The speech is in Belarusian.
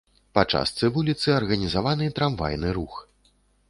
Па частцы вуліцы арганізаваны трамвайны рух.